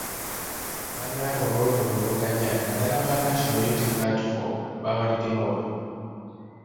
Bannaabwe ab’oludda oluvuganya naddala aba National Unity Platform baabaliddemu olukwe .